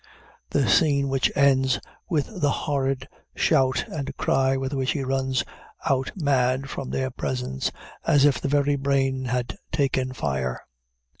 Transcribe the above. the scene which ends with the horrid shout and cry with which he runs out mad from their presence, as if the very brain had taken fire.